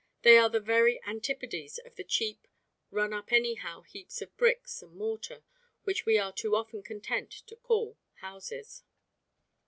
They are the very antipodes of the cheap, run up anyhow heaps of bricks and mortar which we are too often content to call houses.